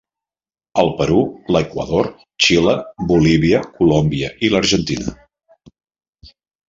El Perú, l'Equador, Xile, Bolívia, Colòmbia i l'Argentina.